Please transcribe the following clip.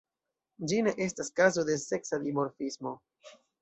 Ĝi ne estas kazo de seksa dimorfismo.